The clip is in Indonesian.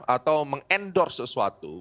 atau meng endorse sesuatu